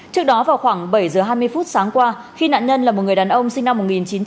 trước đó vào khoảng bảy giờ hai mươi phút sáng qua khi nạn nhân là một người đàn ông sinh năm một nghìn chín trăm tám mươi